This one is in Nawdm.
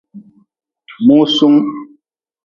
Musung.